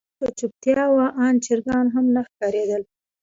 چوپه چوپتيا وه آن چرګان هم نه ښکارېدل.